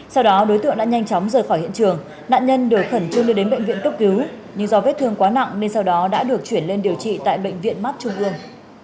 sau đó đối tượng đã nhanh chóng rời khỏi hiện trường nạn nhân được khẩn trương đưa đến bệnh viện cấp cứu nhưng do vết thương quá nặng nên sau đó đã được chuyển lên điều trị tại bệnh viện mắt trung ương